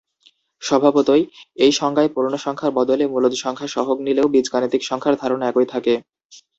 স্বভাবতই, এই সংজ্ঞায় পূর্ণ সংখ্যার বদলে মূলদ সংখ্যা সহগ নিলেও বীজগাণিতিক সংখ্যার ধারণা একই থাকে।